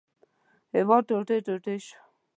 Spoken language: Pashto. هېواد ټوټې ټوټې شو.